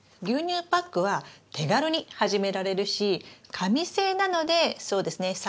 牛乳パックは手軽に始められるし紙製なのでそうですね